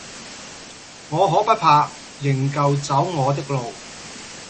我可不怕，仍舊走我的路。